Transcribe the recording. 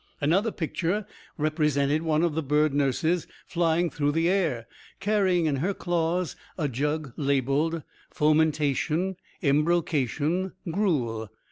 Another picture represented one of the bird nurses flying through the air, carrying in her claws a jug labeled "Fomentation, Embrocation, Gruel."